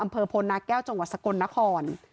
อำเภอพลนาแก้วจังหวัดสกลนคร